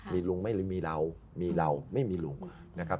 มีลุงไม่มีเรามีเราไม่มีลุงนะครับ